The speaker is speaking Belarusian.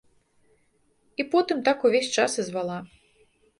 І потым так увесь час і звала.